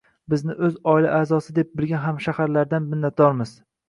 Bizni o‘z oila a’zosi deb bilan hamshaharlardan minnatdormiz!»